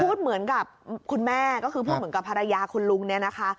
พูดเหมือนกับคุณแม่ก็คือพูดเหมือนกับภรรยาคุณลุงเนี่ยนะคะ